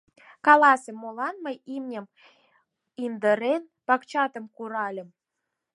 Каласе, молан мый, имньым индырен, пакчатым куральым?